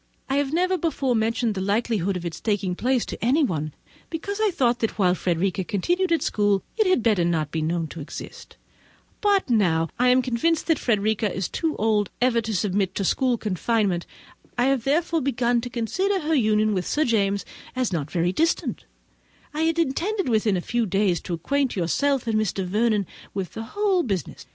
I have never before mentioned the likelihood of its taking place to anyone, because I thought that whilst Frederica continued at school it had better not be known to exist; but now, as I am convinced that Frederica is too old ever to submit to school confinement, and have, therefore, begun to consider her union with Sir James as not very distant, I had intended within a few days to acquaint yourself and Mr. Vernon with the whole business.